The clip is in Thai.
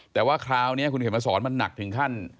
แต่ว่าคราวนี้คุณเข็มมาสอนมันหนักถึงขั้น